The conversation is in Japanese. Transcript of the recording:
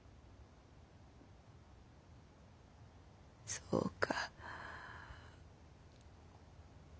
そうか。